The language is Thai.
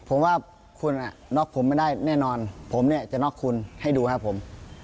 ผมว่าคุณน็อกผมไม่ได้แน่นอนผมเนี่ยจะน็อกคุณให้ดูครับผม